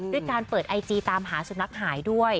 ด้วยการเปิดไอจีตามหาสุนัขหายด้วย